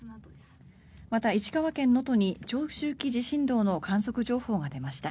また、石川県能登に長周期地震動の観測情報が出ました。